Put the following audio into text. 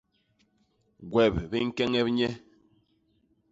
Gwep bi ñkeñep nye.